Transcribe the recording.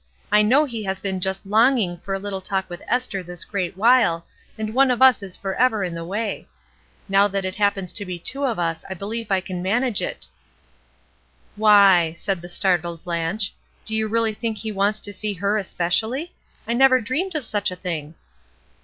I know he has been just longing for a little talk with Esther this great while, and one of us IS forever in the way. Now that it hap pens to be two of us, I beheve I can manage it " "Why!" said the startled Blanche, "do WORDS 139 you really think he wants to see her especially ? I never dreamed of such a thing!"